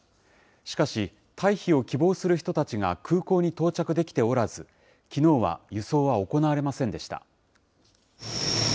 しかし、退避を希望する人たちが空港に到着できておらず、きのうは輸送は行われませんでした。